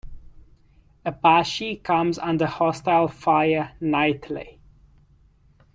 Apache comes under hostile fire nightly.